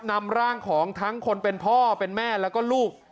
นำร่างของทั้งคนเป็นพ่อเป็นแม่แล้วก็ลูก